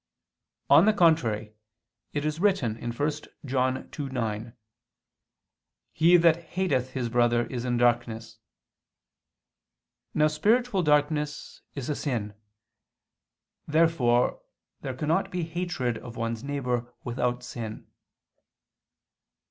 On the contrary, It is written (1 John 2:9): "He that ... hateth his brother, is in darkness." Now spiritual darkness is sin. Therefore there cannot be hatred of one's neighbor without sin.